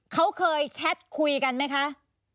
เขาเคยแชทคุยกันไหมคะ